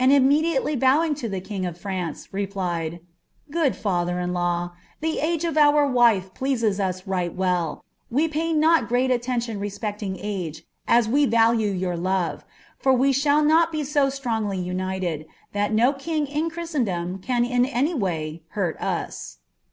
imrncdiaiely bowing lo the king of Fraricrn, replied, —Good faiher in law, ilie age of our wife pleases us riglii writ We pay not great alteniiun respecting age, as we value your love; for we shall now be so strongly united, ihat no king in Chris lendota aaioMf way hurt ua.'